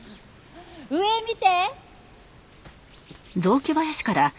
上見て！